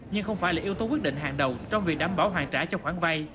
nhưng không phải là yếu tố quyết định hàng đầu trong việc đảm bảo hoàn trả cho khoản vay